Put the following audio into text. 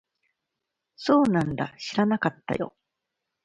そうなんだ。知らなかったよ。